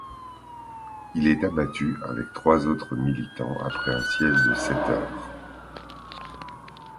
Il est abattu avec trois autres militants après un siège de sept heures.